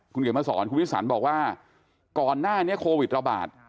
คุณเขียนมาสอนคุณวิสันบอกว่าก่อนหน้านี้โควิดระบาด